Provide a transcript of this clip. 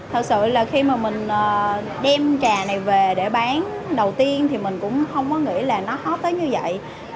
thật sự là khi mà mình đem trà này về để bán đầu tiên thì mình cũng không có nghĩ là nó hot tới như vậy